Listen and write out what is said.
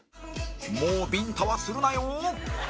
もうビンタはするなよ！